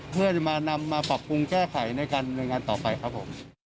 เพื่อจะมานำมาปรับปรุงแก้ไขในการดำเนินงานต่อไปครับผม